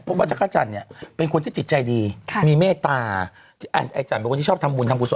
เพราะว่าจักรจันทร์เนี่ยเป็นคนที่จิตใจดีมีเมตตาไอ้จันทร์เป็นคนที่ชอบทำบุญทำกุศล